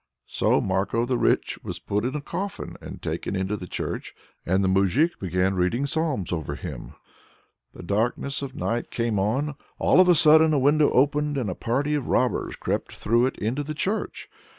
So Marko the Rich was put in a coffin and taken into the church, and the moujik began reading psalms over him. The darkness of night came on. All of a sudden a window opened, and a party of robbers crept through it into the church.